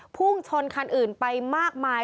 พุ่งชนคันอื่นไปมากมาย